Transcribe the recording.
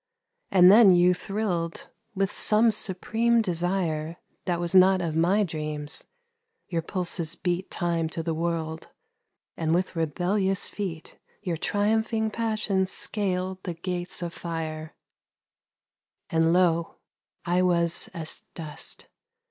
And then you thrilled with some supreme desire That was not of my dreams, your pulses beat Time to the world, and with rebellious feet Your triumphing passions scaled the gates of fire ; And lo, I was as dust